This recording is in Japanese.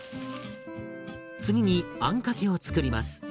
次にあんかけを作ります。